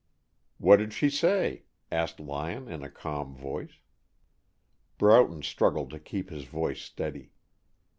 "What did she say?" asked Lyon, in a calm voice. Broughton struggled to keep his voice steady.